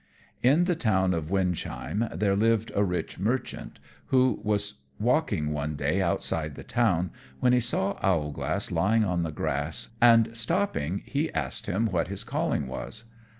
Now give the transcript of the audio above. _ In the town of Windsheim there lived a rich merchant, who was walking one day outside the town, when he saw Owlglass lying on the grass, and stopping, he asked him what his calling was.